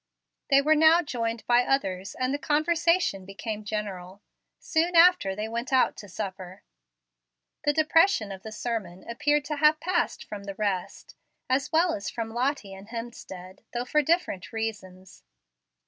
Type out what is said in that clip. They were now joined by others, and the conversation became general. Soon after they went out to supper. The depression of the sermon appeared to have passed from the rest, as well as from Lottie and Hemstead, though for different reasons.